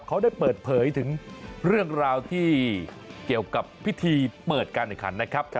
เขาได้เปิดเผยถึงเรื่องราวที่เกี่ยวกับพิธีเปิดการแข่งขันนะครับ